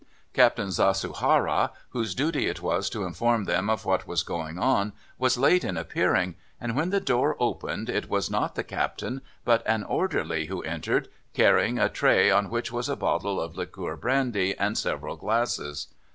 Captain Zasuhara, whose duty it was to inform them of what was going on, was late in appearing, and when the door opened, it was not the Captain, but an orderly, who entered, carrying a tray on which was a bottle of liqueur brandy and several glasses.